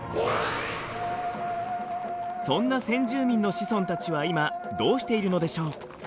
そんな先住民の子孫たちは今どうしているのでしょう？